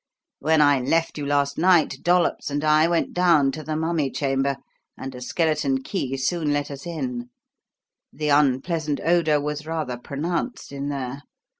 When I left you last night, Dollops and I went down to the mummy chamber, and a skeleton key soon let us in. The unpleasant odour was rather pronounced in there.